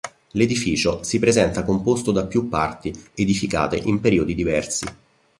L'edificio si presenta composto da più parti edificate in periodi diversi.